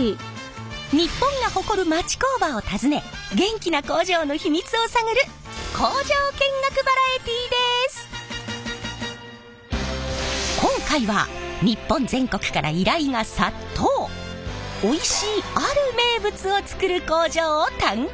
日本が誇る町工場を訪ね元気な工場の秘密を探る今回はおいしいある名物を作る工場を探検！